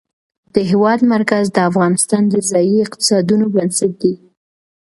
د هېواد مرکز د افغانستان د ځایي اقتصادونو بنسټ دی.